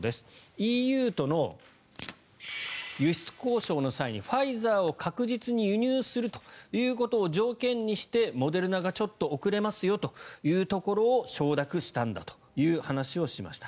ＥＵとの輸出交渉の際にファイザーを確実に輸入するということを条件にしてモデルナがちょっと遅れますよというところを承諾したんだという話をしました。